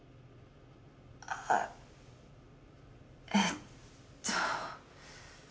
あえっと。